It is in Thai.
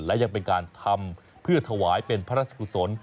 และยังเป็นการทำเพื่อถวายเป็นพระราชกุศล